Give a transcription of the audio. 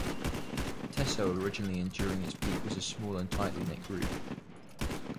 Teso originally and during its peak was a small and tightly knit group.